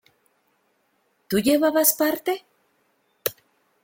¿ tú llevabas parte?